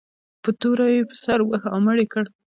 په توره یې پر سر وواهه او مړ یې کړ.